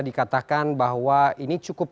dikatakan bahwa ini cukup